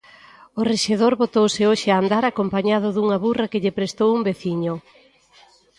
O rexedor botouse hoxe a andar acompañado dunha burra que lle prestou un veciño.